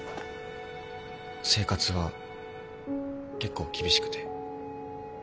生活は結構厳しくて。